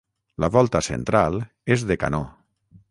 La volta central és de canó.